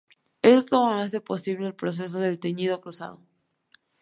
Esto hace posible el proceso del teñido cruzado.